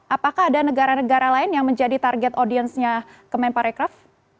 apakah ada negara negara lain yang menjadi target audiensnya kemenparekraf